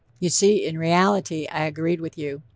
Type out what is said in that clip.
You see in reality I agreed with you.